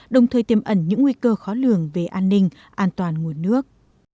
đồng thời tiêm ẩn những nguy cơ khó lường về an ninh an toàn nguồn nước